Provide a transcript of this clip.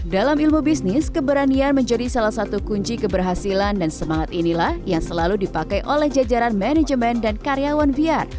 dalam ilmu bisnis keberanian menjadi salah satu kunci keberhasilan dan semangat inilah yang selalu dipakai oleh jajaran manajemen dan karyawan viar